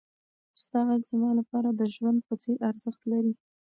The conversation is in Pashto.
ستا غږ زما لپاره د ژوند په څېر ارزښت لري.